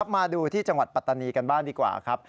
มาดูที่จังหวัดปัตตานีกันบ้างดีกว่าครับ